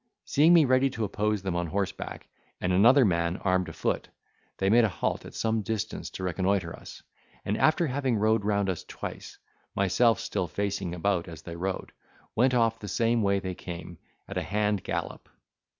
Seeing me ready to oppose them on horseback, and another man armed a foot, they made a halt at some distance to reconnoitre us: and after having rode round us twice, myself still facing about as they rode, went off the same way they came, at a hand gallop.